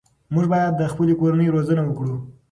موږ باید د خپلې کورنۍ روزنه وکړو.